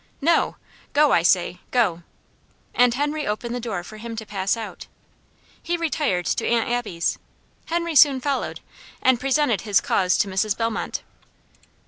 "No! Go, I say! go!" and Henry opened the door for him to pass out. He retired to Aunt Abby's. Henry soon followed, and presented his cause to Mrs. Bellmont.